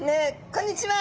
こんにちは！